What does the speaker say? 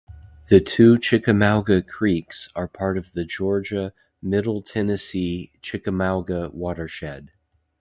The two Chickamauga Creeks are part of the Georgia, Middle Tennessee-Chickamauga Watershed.